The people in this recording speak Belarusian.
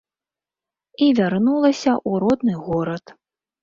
І вярнулася ў родны горад.